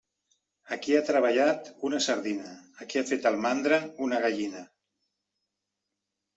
A qui ha treballat, una sardina; a qui ha fet el mandra, una gallina.